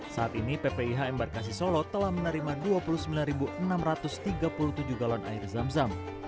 saat ini ppih embarkasi solo telah menerima dua puluh sembilan enam ratus tiga puluh tujuh galon air zam zam